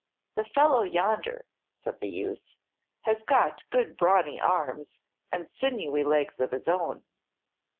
"The fellow yonder," said the youth, "has got good brawny arms and sinewy legs of his own."